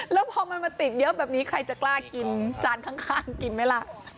แล้วพอมันมาติดเยอะแบบนี้ใครจะกล้ากินจานข้างกินไหมล่ะ